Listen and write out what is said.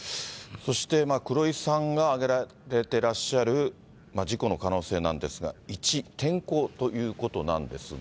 そして黒井さんが挙げてらっしゃる事故の可能性なんですが、１、天候ということなんですが。